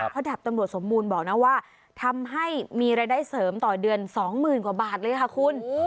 เพราะดาบตำรวจสมบูรณ์บอกนะว่าทำให้มีรายได้เสริมต่อเดือน๒๐๐๐กว่าบาทเลยค่ะคุณ